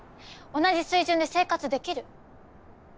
同じ水準で生活できる？